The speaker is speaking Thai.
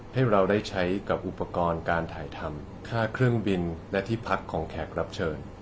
ให้เราได้ใช้กับอุปกรณ์การถ่ายทำค่าเครื่องบินและที่พักของแขกรับเชิญ